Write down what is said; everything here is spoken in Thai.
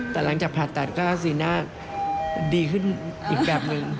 แต่หลังจากผ่าตัดก็สีหน้าดีขึ้นอีกแบบหนึ่ง